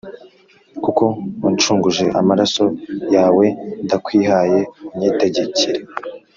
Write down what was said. Kuko wancunguje amaraso yawe ndakwihaye unyitegekere